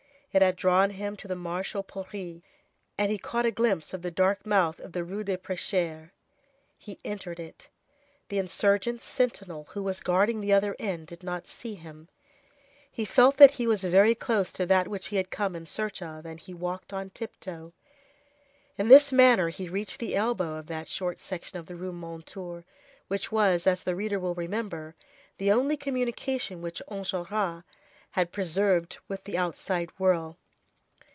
It had drawn him to the Marché aux Poirées, and he caught a glimpse of the dark mouth of the Rue des Prêcheurs. He entered it. The insurgents' sentinel, who was guarding the other end, did not see him. He felt that he was very close to that which he had come in search of, and he walked on tiptoe. In this manner he reached the elbow of that short section of the Rue Mondétour which was, as the reader will remember, the only communication which Enjolras had preserved with the outside world.